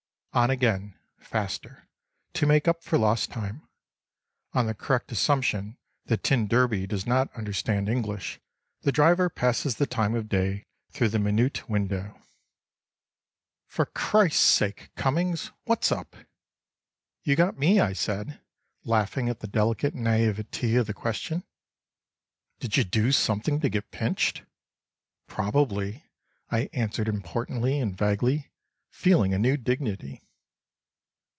On again—faster, to make up for lost time. On the correct assumption that t d does not understand English the driver passes the time of day through the minute window: "For Christ's sake, Cummings, what's up?" "You got me," I said, laughing at the delicate naiveté of the question. "Did y' do something to get pinched?" "Probably," I answered importantly and vaguely, feeling a new dignity.